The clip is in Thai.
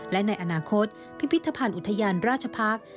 และในอนาคตพิพิธภัณฑ์อุทยานราชพักษ์